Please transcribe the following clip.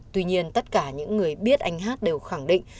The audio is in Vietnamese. tuy nhiên tất cả những người biết anh hát đều khẳng định